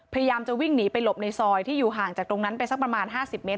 พยายามจะวิ่งหนีไปหลบในซอยที่อยู่ห่างจากตรงนั้นไปสักประมาณ๕๐เมตร